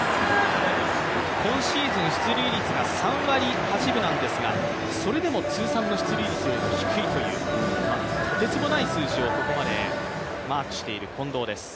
今シーズン出塁率が３割８分なんですがそれでも通算の出塁率より低いという、とてつもない数字をここまでマークしている近藤です。